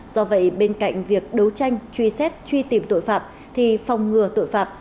do vậy bên cạnh việc đấu tranh truy xét truy tìm tội phạm thì phòng ngừa tội phạm